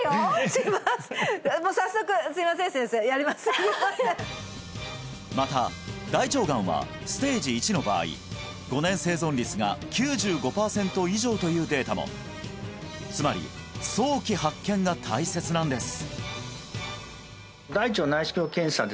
します早速すいません先生やりますまた大腸がんはステージ１の場合５年生存率が９５パーセント以上というデータもつまり早期発見が大切なんです